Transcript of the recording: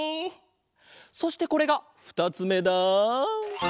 そしてこれがふたつめだ。